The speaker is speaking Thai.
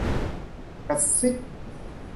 กระซิก